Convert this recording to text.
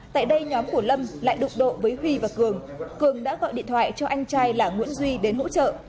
tại đây nhóm của lâm lại đụng độ với huy và cường cường đã gọi điện thoại cho anh trai là nguyễn duy đến hỗ trợ